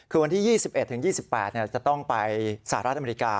คือวันที่๒๑๒๘จะต้องไปสหรัฐอเมริกา